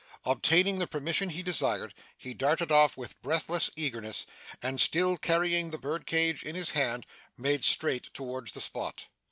Obtaining the permission he desired, he darted off with breathless eagerness, and, still carrying the birdcage in his hand, made straight towards the spot.